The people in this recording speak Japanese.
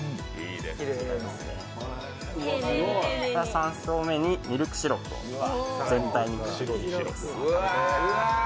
３層目にミルクシロップを全体に。